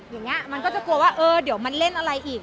อย่างนี้มันก็จะกลัวว่าเออเดี๋ยวมันเล่นอะไรอีก